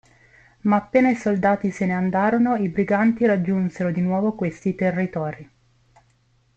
Ma appena i soldati se ne andarono i briganti raggiunsero di nuovo questi territori.